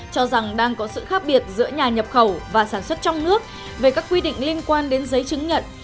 cho rằng đang có sự khác biệt giữa nhà nhập khẩu và sản xuất trong nước về các quy định liên quan đến giấy chứng nhận